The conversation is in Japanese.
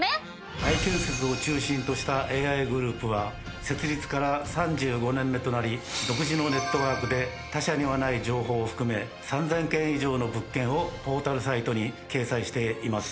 アイ建設を中心としたＡＩグループは設立から３５年目となり独自のネットワークで他社にはない情報を含め３０００件以上の物件をポータルサイトに掲載しています。